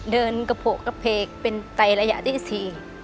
เดินกระโพกกระเพกเป็นไตระยะที่๔